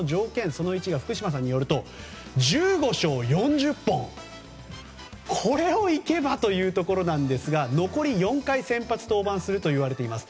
その１が福島さんによると１５勝４０本これをいけばというところなんですが残り４回、先発登板するといわれています。